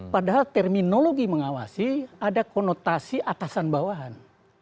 padahal terminologi mengawasi ada konotasi atasan bawahan